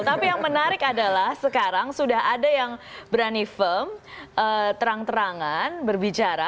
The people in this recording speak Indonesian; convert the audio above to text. tapi yang menarik adalah sekarang sudah ada yang berani firm terang terangan berbicara